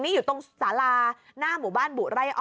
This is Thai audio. นี่อยู่ตรงสาลาน่ะหมู่บ้านบุร่ายอ้อย